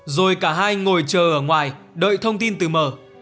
rồi cả hai ngồi chờ ở ngoài đợi thông tin từ mờ